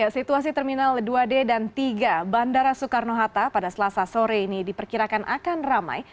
situasi terminal dua d dan tiga bandara soekarno hatta pada selasa sore ini diperkirakan akan ramai